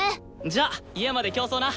じゃあ家まで競争な。